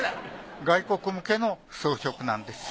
外国向けの装飾なんです。